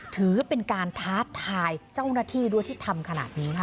ถือเป็นการท้าทายเจ้าหน้าที่ด้วยที่ทำขนาดนี้ค่ะ